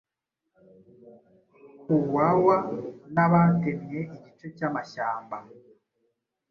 Huwawa na batemye igice cyamashyamba